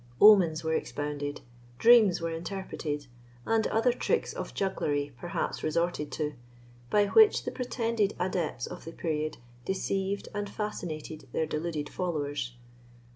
Omens were expounded, dreams were interpreted, and other tricks of jugglery perhaps resorted to, by which the pretended adepts of the period deceived and fascinated their deluded followers.